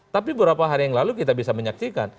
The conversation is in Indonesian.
tapi beberapa hari yang lalu kita bisa menyaksikan